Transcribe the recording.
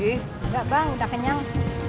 engga bang udah kenyang